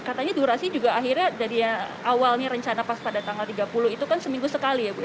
katanya durasi juga akhirnya dari awalnya rencana pas pada tanggal tiga puluh itu kan seminggu sekali ya bu